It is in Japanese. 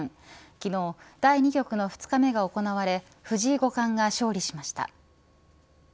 昨日、第２局の２日目が行われ藤井五冠が勝利しました。